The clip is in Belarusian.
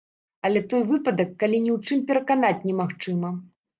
Але той выпадак, калі ні ў чым пераканаць немагчыма.